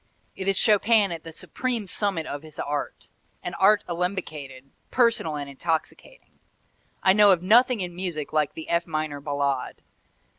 It is Chopin at the supreme summit of his art, an art alembicated, personal and intoxicating. I know of nothing in music like the F minor Ballade.